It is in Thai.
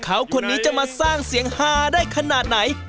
อบเตอร์มหาสนุกกลับมาสร้างความสนานครื้นเครงพร้อมกับแขกรับเชิง